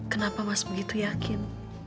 kenapa mas begitu yakin